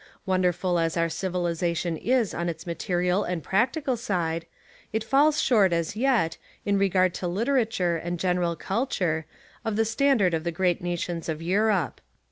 Wonderful as our civilisation is on its material and practical side, it falls short as yet, in regard to literature and general culture, of the standard of the great nations of Europe.